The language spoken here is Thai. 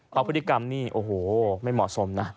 เพราะพฤติกรรมนี่โอ้โหไม่เหมาะสมนะ